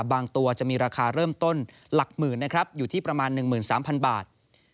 บางตัวจะมีราคาเริ่มต้นหลักหมื่นนะครับอยู่ที่ประมาณ๑๓๐๐๐บาท